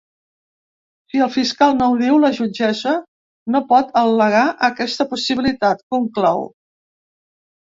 Si el fiscal no ho diu, la jutgessa no pot al·legar aquesta possibilitat, conclou.